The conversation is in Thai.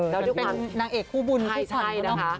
นางเอกคู่บุญคู่ผล